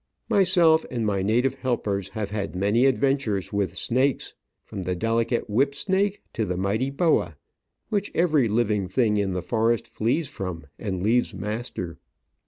Myself and my native helpers have had many adventures with snakes, from the delicate whip snake to the mighty boa, which every livkig thi ng in the forest flees from and leaves master.